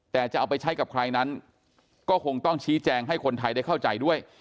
แต่จะเอาไปใช้กับใครนั้นก็คงต้องชี้แจงให้คนไทยได้เข้าใจด้วย